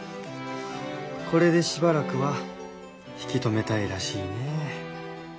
これでしばらくは引き止めたいらしいねえ。